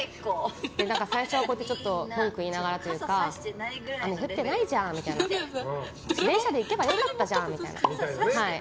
最初は、文句言いながらというか雨降ってないじゃんみたいな電車で行けばよかったじゃんみたいな。